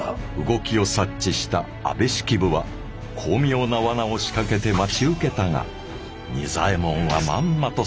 動きを察知した安部式部は巧妙な罠を仕掛けて待ち受けたが仁左衛門はまんまと